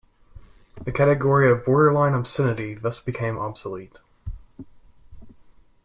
The category of "borderline obscenity" thus became obsolete.